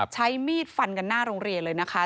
ใช้มีดฟันกันหน้าโรงเรียนเลยนะคะ